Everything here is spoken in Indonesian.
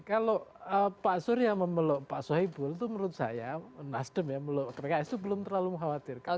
kalau pak suri yang memeluk pak sohibul itu menurut saya nasdem yang meluk pks itu belum terlalu mengkhawatirkan